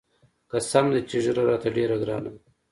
قسم دى چې ږيره راته ډېره ګرانه ده.